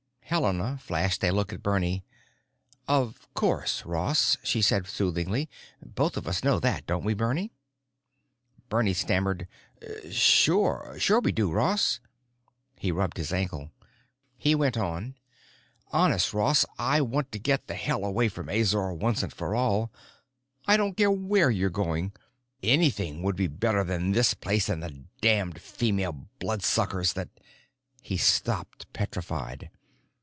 Helena flashed a look at Bernie. "Of course, Ross," she said soothingly. "Both of us know that, don't we, Bernie?" Bernie stammered, "Sure—sure we do, Ross." He rubbed his ankle. He went on, "Honest, Ross, I want to get the hell away from Azor once and for all. I don't care where you're going. Anything would be better than this place and the damned female bloodsuckers that——" He stopped, petrified.